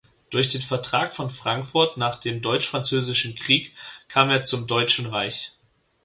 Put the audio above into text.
Durch den Vertrag von Frankfurt nach dem Deutsch-Französischen Krieg kam er zum Deutschen Reich.